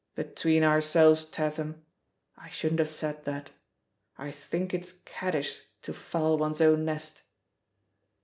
"Between ourselves, Tatham! I shouldn't have said that; I think it's caddish to foul one's own nest.